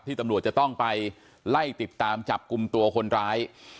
ตำรวจจะต้องไปไล่ติดตามจับกลุ่มตัวคนร้าย